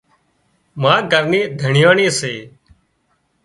ما گھر نِي ڌڻيئاڻي سي